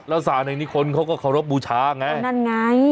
แล้วศาลแห่งนี้คนเขาก็เคารพบูชาไงนั่นไง